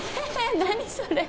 何それ！？